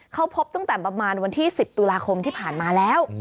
เขาพบตั้งแต่ประมาณวันที่๑๐ตุลาคมที่ผ่านมาแล้ว